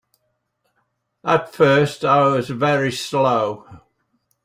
At first I was very slow.